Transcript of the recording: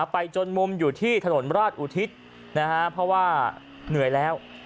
จนมุมอยู่ที่ถนนราชอุทิศเพราะว่าเหนื่อยแล้ว